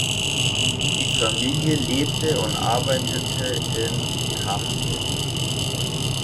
Die Familie lebte und arbeitete in Camden.